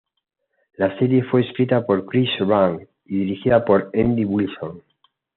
La serie fue escrita por Chris Lang y dirigida por Andy Wilson.